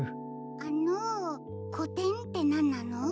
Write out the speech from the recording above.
あのこてんってなんなの？